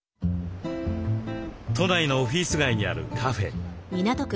都内のオフィス街にあるカフェ。